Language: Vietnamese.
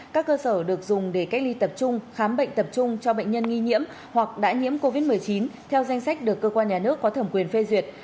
các cơ sở được dùng để cách ly tập trung khám bệnh tập trung cho bệnh nhân nghi nhiễm hoặc đã nhiễm covid một mươi chín theo danh sách được cơ quan nhà nước có thẩm quyền phê duyệt